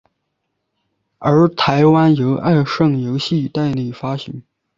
而台湾由爱胜游戏代理发行。